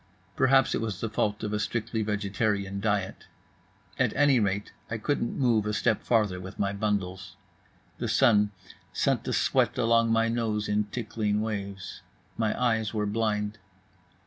Perhaps it was the fault of a strictly vegetarian diet. At any rate, I couldn't move a step farther with my bundles. The sun sent the sweat along my nose in tickling waves. My eyes were blind.